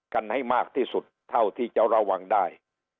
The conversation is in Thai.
กันให้มากที่สุดเท่าที่จะระวังได้